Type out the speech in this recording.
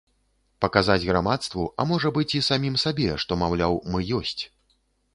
Паказаць грамадству, а можа быць, і самім сабе, што, маўляў, мы ёсць.